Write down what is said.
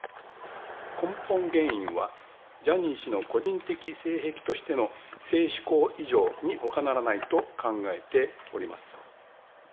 根本原因はジャニーズＪｒ．氏の個人的性癖としての性嗜好異常にほかならないと考えております。